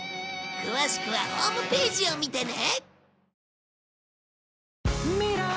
詳しくはホームページを見てね